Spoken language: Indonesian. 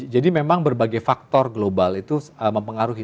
jadi memang berbagai faktor global itu mempengaruhi